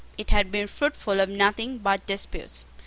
It had been fruitful of nothing but disputes.